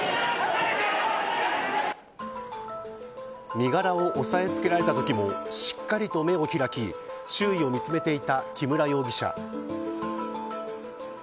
身柄を押さえ付けられたときもしっかりと目を開き周囲を見つめていた木村容疑者。